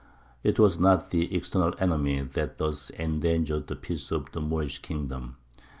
It was not the external enemy that thus endangered the peace of the Moorish kingdom.